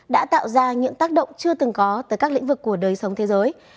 đã tạo ra những tác động chưa từng có tới các lĩnh vực của đời sống thế giới